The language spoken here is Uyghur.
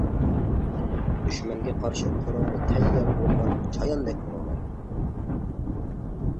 دۈشمەنگە قارشى قورالى تەييار بولغان چاياندەك بولۇڭلار.